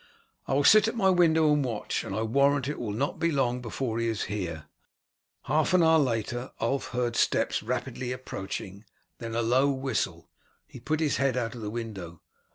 I will sit at my window and watch, and I warrant it will not be long before he is here." Half an hour later Ulf heard steps rapidly approaching; then a low whistle. He put his head out of the window.